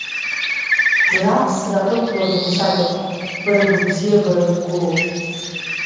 Ӡра-ԥсра рықәлаӡом сажәақәа, бара быбзиабара згәылоу.